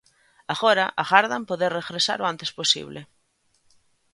Agora agardan poder regresar o antes posible.